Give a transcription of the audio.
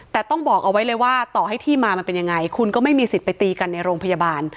แต่ต้องบอกเอาไว้เลยว่าต่อให้ที่มามันเป็นยังไงคุณก็ไม่มีสิทธิ์ไปตีกันในโรงพยาบาล